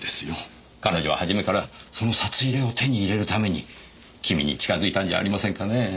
彼女は初めからその札入れを手に入れるためにキミに近づいたんじゃありませんかね。